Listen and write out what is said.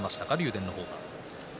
電の方が。